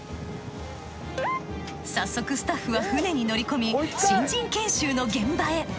早速スタッフは船に乗り込み新人研修の現場へ。